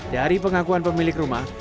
dari pengakuan pemilik rumah